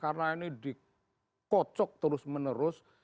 karena ini dikocok terus menerus